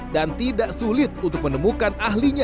dan tidak sulit untuk menemukan ahlinya